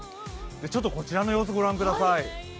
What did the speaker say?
こちらの様子ご覧ください